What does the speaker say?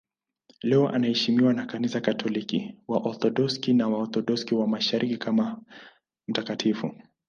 Leo anaheshimiwa na Kanisa Katoliki, Waorthodoksi na Waorthodoksi wa Mashariki kama mtakatifu.